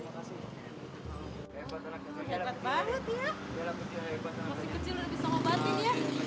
masih kecil udah bisa ngobatin ya